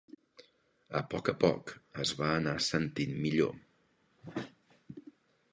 A poc a poc es va anar sentint millor?